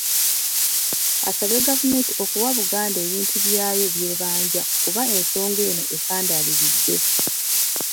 Asabye gavumenti okuwa Buganda ebintu byayo by'ebanja kuba ensonga eno ekandaaliridde.